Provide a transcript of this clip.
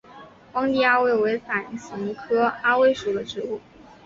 荒地阿魏为伞形科阿魏属的植物。